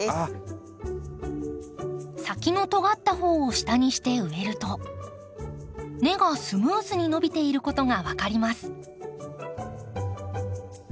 先のとがった方を下にして植えると根がスムーズに伸びていることが分かります。